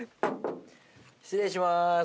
失礼します。